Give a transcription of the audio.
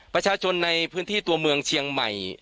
ประชาชนในพื้นที่ตัวเมืองเชียงใหม่